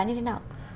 giá như thế nào